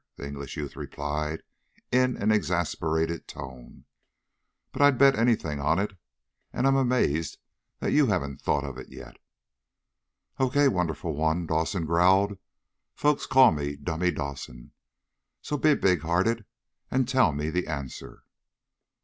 the English youth replied in an exasperated tone. "But I'd bet anything on it. And I'm amazed that you haven't thought of it yet!" "Okay, wonderful one!" Dawson growled. "Folks call me Dummy Dawson. So be big hearted, and tell me the answer."